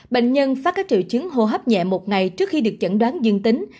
bệnh nhân phát các triệu chứng hô hấp nhẹ một ngày trước khi được chẩn đoán dương tính